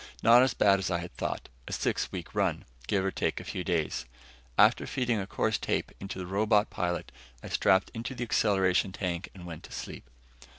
Not as bad as I had thought a six week run, give or take a few days. After feeding a course tape into the robot pilot, I strapped into the acceleration tank and went to sleep.